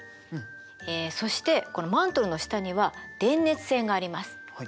えそしてこのマントルの下には電熱線があります。